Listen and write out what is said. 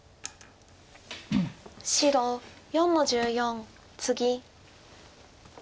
白４の十四ツギ。